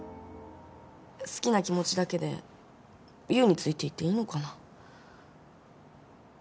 好きな気持ちだけで優についていっていいのかな？